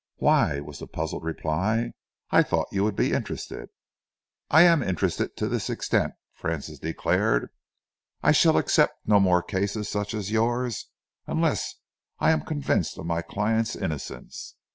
"Why?" was the puzzled reply. "I thought you would be interested." "I am interested to this extent," Francis declared, "I shall accept no more cases such as yours unless I am convinced of my client's innocence.